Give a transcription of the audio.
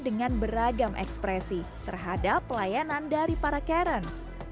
dengan beragam ekspresi terhadap pelayanan dari para karens